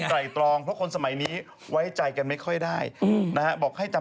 แต่ถ้าเดินจะไม่ขับรถใช่ไหม